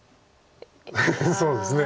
そうですね。